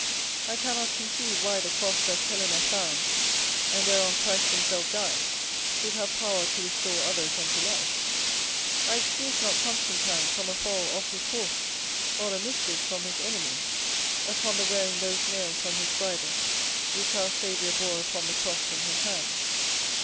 I cannot conceive why the cross that Helena found, and whereon Christ himself died, should have power to restore others unto life. I excuse not Constantine from a fall off his horse, or a mischief from his enemies, upon the wearing those nails on his bridle which our Saviour bore upon the cross in his hands.